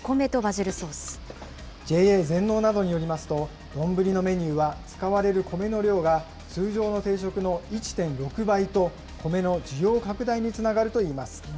ＪＡ全農などによりますと、丼のメニューは使われるコメの量が通常の定食の１．６倍と、コメの需要拡大につながるといいます。